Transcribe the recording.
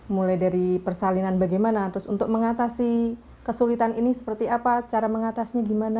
mulai dari persalinan bagaimana terus untuk mengatasi kesulitan ini seperti apa cara mengatasnya gimana